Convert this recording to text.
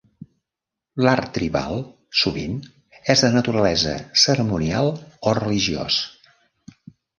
L'art tribal sovint és de naturalesa cerimonial o religiós.